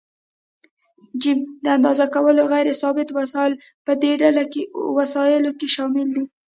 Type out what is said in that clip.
ج: د اندازه کولو غیر ثابت وسایل: په دې ډله وسایلو کې شامل دي.